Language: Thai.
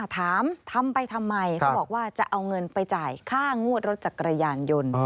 ทำไปทำไมเขาบอกว่าจะเอาเงินไปจ่ายค่างวดรถจักรยานยนต์